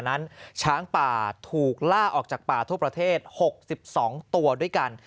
ช้างป่าถูกล่าออกจากป่าทั่วประเทศ๖๒ตัวด้วยกัน